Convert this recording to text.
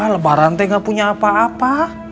lebaran tengah punya apa apa